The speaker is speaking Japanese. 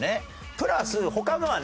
プラス他のはね